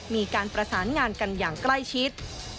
มีการประสานงานกันอย่างใกล้ชิด